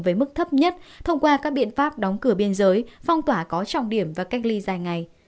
với mức thấp nhất thông qua các biện pháp đóng cửa biên giới phong tỏa có trọng điểm và cách ly dài ngày